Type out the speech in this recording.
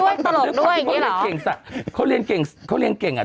เนี้ยด้วยตลกด้วยอย่างเงี้ยเหรอเขาเรียนเก่งเขาเรียนเก่งอ่ะ